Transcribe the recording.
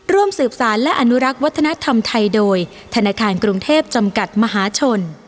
ร่วมสืบสารและอนุรักษ์วัฒนธรรมไทยโดยธนาคารกรุงเทพจำกัดมหาชน